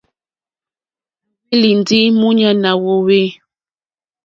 À hwélì ndí múɲánà wòòwê.